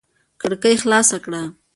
کړکۍ خلاصه کړه.